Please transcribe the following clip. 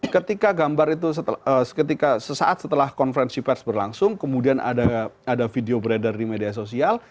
ketika gambar itu ketika sesaat setelah konferensi pers berlangsung kemudian ada video beredar di media sosial